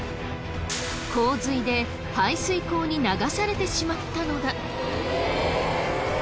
洪水で排水溝に流されてしまったのだ。